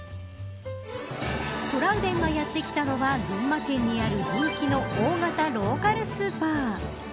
トラウデンがやって来たのは群馬県にある人気の大型ローカルスーパー。